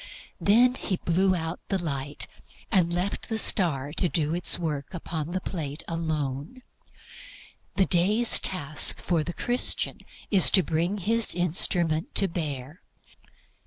Then he blew out the light, and left the star to do its work upon the plate alone. The day's task for the Christian is to bring his instrument to bear.